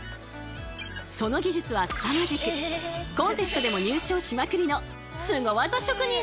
その技術はすさまじくコンテストでも入賞しまくりのスゴ技職人なんです。